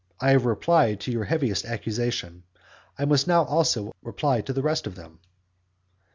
I have replied to your heaviest accusations, I must now also reply to the rest of them.